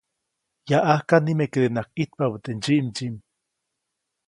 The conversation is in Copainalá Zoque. Yaʼajk nimekedenaʼajk ʼijtpabä teʼ ndsyiʼmdsyiʼm.